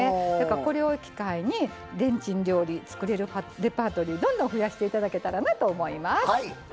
これを機会にレンチン料理を作れるレパートリーどんどん増やしていただけたらなと思います。